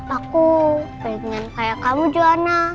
aku pengen kayak kamu juana